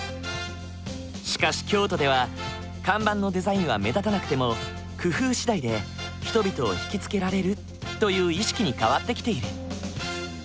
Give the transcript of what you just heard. しかし京都では看板のデザインは目立たなくても工夫次第で人々を引き付けられるという意識に変わってきている。